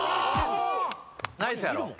ナイスやろ。